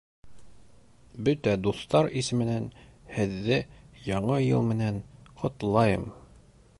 Бөтә дуҫтар исеменән Һеҙҙе Яңы йыл менән ҡотлайым!